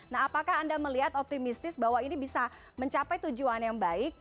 nah apakah anda melihat optimistis bahwa ini bisa mencapai tujuan yang baik